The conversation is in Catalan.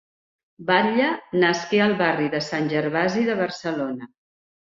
Batlle nasqué al barri de Sant Gervasi de Barcelona.